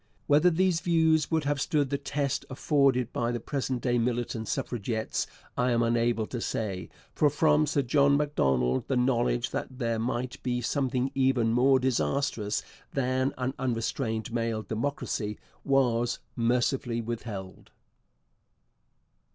Whether these views would have stood the test afforded by the present day militant suffragettes, I am unable to say; for from Sir John Macdonald the knowledge that there might be something even more disastrous than an unrestrained male democracy was mercifully withheld.